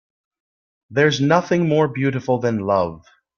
There's nothing more beautiful than love.